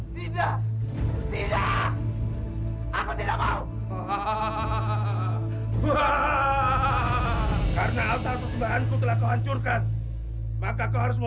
tidak tidak aku tidak mau karena alat persembahan ku telah kau hancurkan maka kau harus membawa